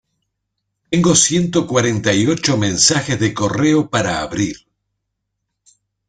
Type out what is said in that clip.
Tengo ciento cuarenta y ocho mensajes de correo para abrir.